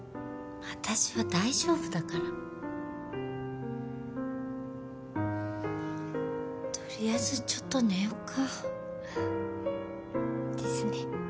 私は大丈夫だからとりあえずちょっと寝よっかですね